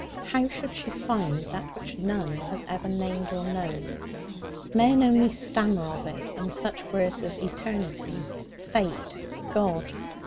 How should she find that which none has ever named or known? Men only stammer of it in such words as Eternity, Fate, God.